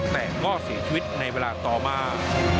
แต่ก็เสียชีวิตในเวลาต่อมา